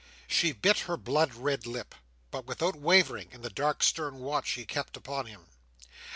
She bit her blood red lip; but without wavering in the dark, stern watch she kept upon him.